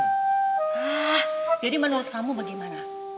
nah jadi menurut kamu bagaimana